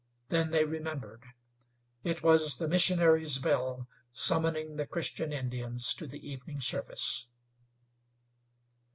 Then they remembered. It was the missionary's bell summoning the Christian Indians to the evening service.